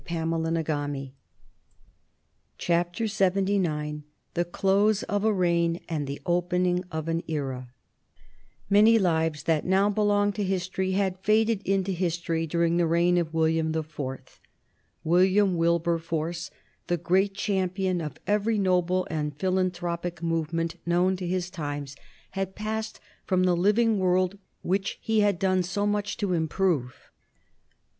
CHAPTER LXXIX. THE CLOSE OF A REIGN AND THE OPENING OF AN ERA. [Sidenote: 1748 1832 Mackintosh, Malthus, and Mill] Many lives that now belong to history had faded into history during the reign of William the Fourth. William Wilberforce, the great champion of every noble and philanthropic movement known to his times, had passed from the living world which he had done so much to improve.